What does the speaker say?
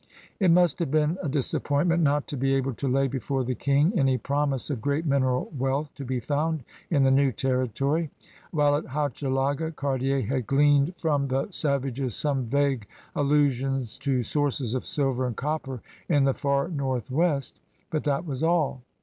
It must have been a disappointment not to be able to lay before the King any promise of great mineral wealth to be found in the new territory. While at Hochelaga Cartier had gleaned from the A VOYAGEUR OF BRITTANY 85 savages some vague allusions to sources of sflver and copper in the far northwest, but that was all.